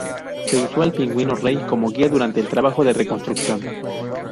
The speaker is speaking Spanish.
Se usó al pingüino rey como guía durante el trabajo de reconstrucción.